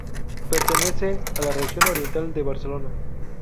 Pertenece a la región oriental de Barcelona.